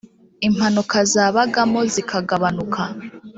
impanuka zabagamo zikagabanuka